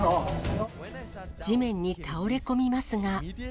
地面に倒れ込みますが。